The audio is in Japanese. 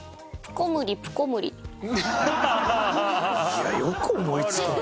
いやよく思い付くね。